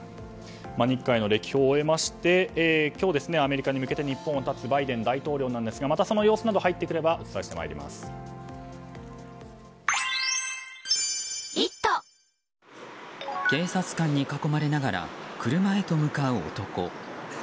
歴訪を終えまして今日、アメリカに向けて日本を発つバイデン大統領ですがまたその様子など入ってくれば警察官に囲まれながら車へと向かう男。